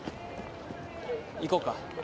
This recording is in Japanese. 行こうか。